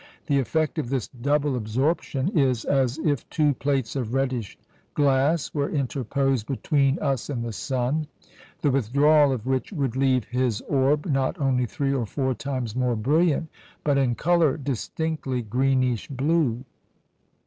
The effect of this double absorption is as if two plates of reddish glass were interposed between us and the sun, the withdrawal of which would leave his orb, not only three or four times more brilliant, but in colour distinctly greenish blue.